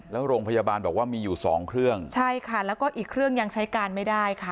แล้วโรงพยาบาลบอกว่ามีอยู่สองเครื่องใช่ค่ะแล้วก็อีกเครื่องยังใช้การไม่ได้ค่ะ